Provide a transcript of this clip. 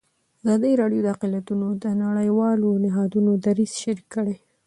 ازادي راډیو د اقلیتونه د نړیوالو نهادونو دریځ شریک کړی.